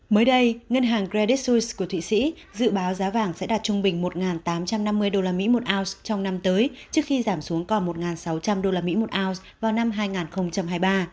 mới đây ngân hàng creditsuice của thụy sĩ dự báo giá vàng sẽ đạt trung bình một tám trăm năm mươi usd một ounce trong năm tới trước khi giảm xuống còn một sáu trăm linh usd một ounce vào năm hai nghìn hai mươi ba